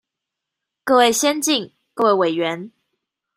各位先進、各位委員